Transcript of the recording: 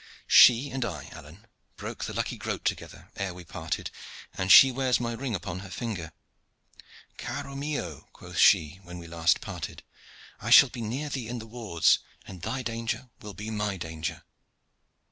"She and I, Alleyne, broke the lucky groat together ere we parted, and she wears my ring upon her finger. 'Caro mio,' quoth she when last we parted, 'I shall be near thee in the wars, and thy danger will be my danger.'